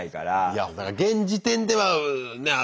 いやだから現時点ではねえ